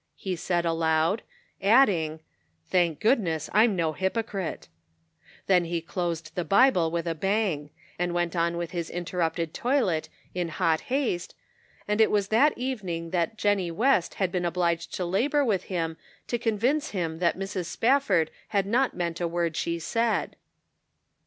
he said aloud, adding, " Thank goodness, I'm no hypo crite." Then he closed the Bible with a bang, and went on with his interrupted toilet in hot haste, and it was that evening that Jennie West had been obliged to labor with him to convince him that Mrs. Spafford had not meant a word she said.